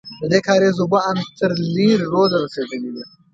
ددې کارېز اوبه ان تر لېرې روده رسېدلې وې.